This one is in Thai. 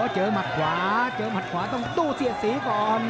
เจอหมัดขวาเจอหมัดขวาต้องตู้เสียดสีก่อน